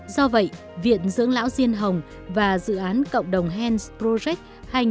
do vậy viện dưỡng lão diên hồng và dự án cộng đồng hands project hai nghìn một mươi bảy